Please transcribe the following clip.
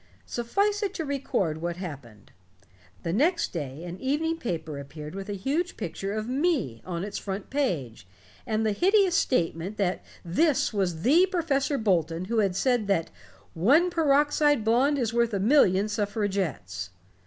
Suffice it to record what happened. The next day an evening paper appeared with a huge picture of me on its front page, and the hideous statement that this was the Professor Bolton who had said that 'One Peroxide Blonde Is Worth a Million Suffragettes'.